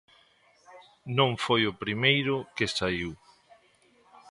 Non foi o primeiro que saíu.